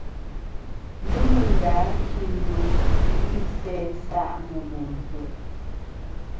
Nomɨ nda a kindo ghɨ isæ isa' nɨ bo ntè'.